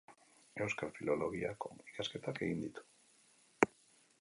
Euskal Filologiako ikasketak egin ditu.